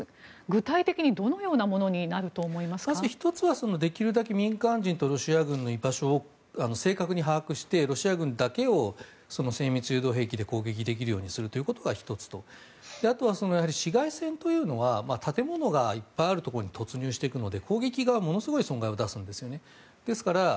具体的にどのようなものにまず１つはできるだけ民間人とロシア軍の居場所を正確に把握してロシア軍だけを精密誘導兵器で攻撃できるようにすることが１つとあとは市街戦は建物がいっぱいあるところに突入していくので攻撃がものすごい損害を出すんですね。